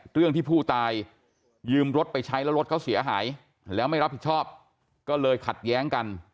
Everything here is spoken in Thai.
เรื่องที่ผู้ตายยืมรถไปใช้แล้วรถเขาเสียหายแล้วไม่รับผิดชอบก็เลยขัดแย้งกัน